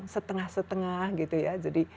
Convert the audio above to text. setengah setengah gitu ya jadi